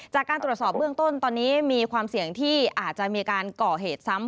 จากการตรวจสอบเบื้องต้นตอนนี้มีความเสี่ยงที่อาจจะมีการก่อเหตุซ้ำ